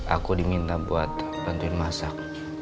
aku diminta buat bantuin masak